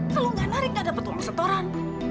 kalau gak narik gak dapet uang setoran